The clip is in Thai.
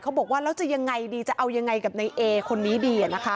บอกว่าแล้วจะยังไงดีจะเอายังไงกับในเอคนนี้ดีนะคะ